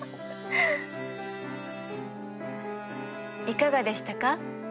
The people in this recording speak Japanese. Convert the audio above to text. いかがでしたか？